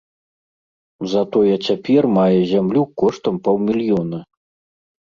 Затое цяпер мае зямлю коштам паўмільёна!